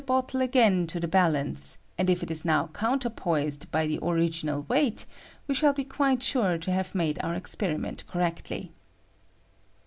131 L "bottle again to the balance, and if it is now |iOounterpoised by the original weight, we shall be quite sure we have made our experiment correctly.